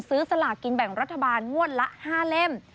สลากินแบ่งรัฐบาลงวดละ๕เล่ม